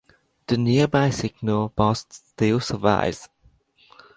The nearby signal box still survives.